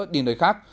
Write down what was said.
điên đời khác